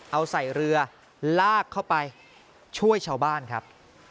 เอาใส่เรือลากเข้าไปช่วยชาวบ้านครับ